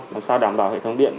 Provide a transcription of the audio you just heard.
làm sao đảm bảo hệ thống điện